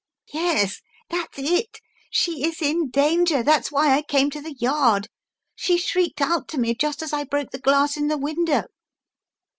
"Yes, that's it. She is in danger, that's why I came to the Yard. She shrieked out to me, just as I broke the glass in the window."